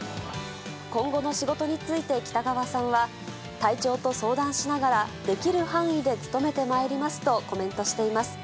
今後の仕事について北川さんは、体調と相談しながら、できる範囲で務めてまいりますとコメントしています。